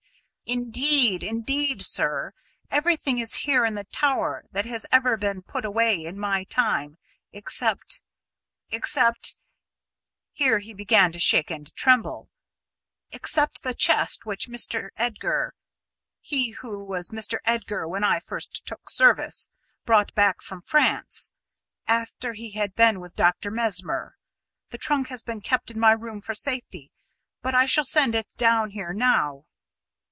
"Indeed, indeed, sir, everything is here in the tower that has ever been put away in my time except except " here he began to shake and tremble it "except the chest which Mr. Edgar he who was Mr. Edgar when I first took service brought back from France, after he had been with Dr. Mesmer. The trunk has been kept in my room for safety; but I shall send it down here now."